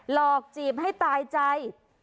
ลอกจีบตายใจ